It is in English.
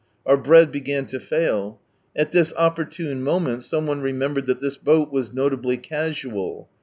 Out bread began to fail At this opportune moment some one remembered that this boat was notably casual.